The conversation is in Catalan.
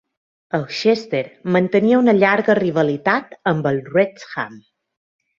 El Chester mantenia una llarga rivalitat amb el Wrexham.